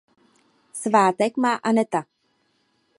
Svátek má Aneta.